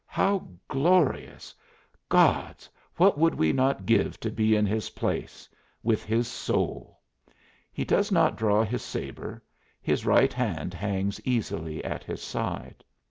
How glorious! Gods! what would we not give to be in his place with his soul! He does not draw his sabre; his right hand hangs easily at his side.